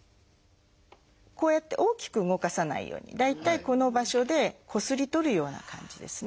こうやって大きく動かさないように大体この場所でこすり取るような感じですね。